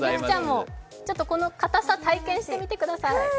このかたさ、体験してみてください。